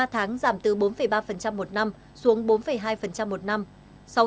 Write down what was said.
ba tháng giảm từ bốn ba một năm xuống bốn hai một năm